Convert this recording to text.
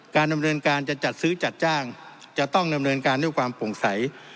การเริ่มเริ่มการจะจัดซื้อจัดจ้างจะต้องเริ่มเริ่มการด้วยความปลงใส